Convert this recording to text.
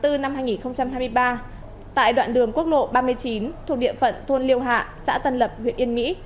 trước đó ngày một mươi một tháng bốn năm hai nghìn hai mươi ba tại đoạn đường quốc lộ ba mươi chín thuộc địa phận thôn liêu hạ xã tân lập huyện yên mỹ